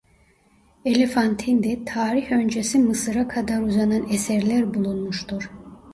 Elefantin'de tarih öncesi Mısır'a kadar uzanan eserler bulunmuştur.